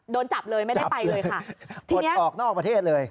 โดนจับเลยไม่ได้ไปเลยค่ะผลออกนอกประเทศเลย